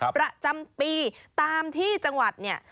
ประจำปีตามที่จังหวัดเนี่ย